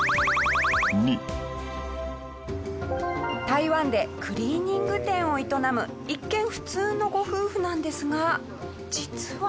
台湾でクリーニング店を営む一見普通のご夫婦なんですが実は。